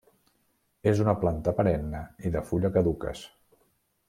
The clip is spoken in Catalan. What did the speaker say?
És una planta perenne i de fulla caduques.